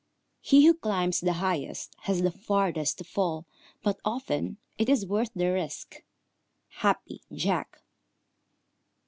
He who climbs the highest has the farthest to fall, but often it is worth the risk. _Happy Jack.